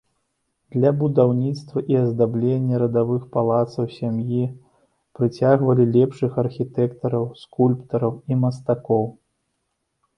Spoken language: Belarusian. Для будаўніцтва і аздаблення радавых палацаў сям'і прыцягвалі лепшых архітэктараў, скульптараў і мастакоў.